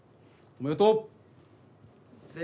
おめでとうね。